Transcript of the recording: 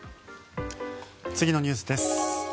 次のニュースです。